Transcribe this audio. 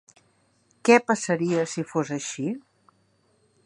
Què passaria si fos així?